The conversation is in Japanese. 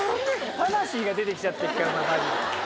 魂が出て来ちゃってるからもう。